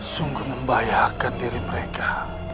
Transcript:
sungguh membahayakan diri mereka